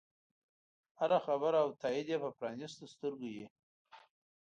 هره خبره او تایید یې په پرانیستو سترګو وي.